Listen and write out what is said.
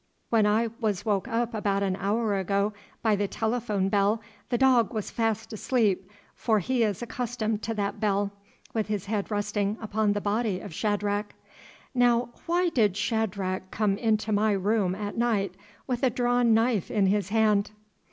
When I was woke up about an hour ago by the telephone bell the dog was fast asleep, for he is accustomed to that bell, with his head resting upon the body of Shadrach. Now why did Shadrach come into my room at night with a drawn knife in his hand?"